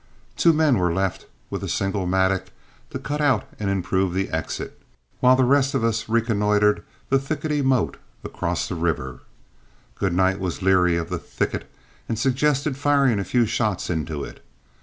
Two men were left with a single mattock to cut out and improve the exit, while the rest of us reconnoitered the thickety motte across the river. Goodnight was leery of the thicket, and suggested firing a few shots into it.